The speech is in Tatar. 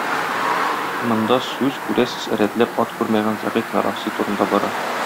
Монда сүз, күрәсез, рәтләп ат күрмәгән зәгыйфь нарасый турында бара.